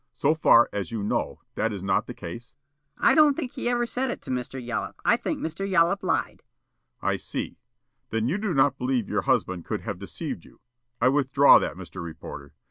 So far as you know that is not the case?" Mrs. Smilk. "I don't think he ever said it to Mr. Yollop. I think Mr. Yollop lied." The State: "I see. Then you do not believe your husband could have deceived you I withdraw that, Mr. Reporter.